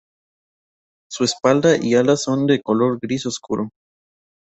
Su espalda y alas son de color gris oscuro.